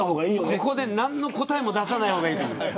ここで何の答えも出さないほうがいいと思います。